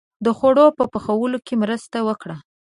• د خوړو په پخولو کې مرسته وکړه.